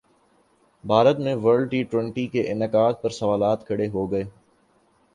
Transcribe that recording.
بھارت میں world T twenty کے انعقاد پر سوالات کھڑے ہوگئے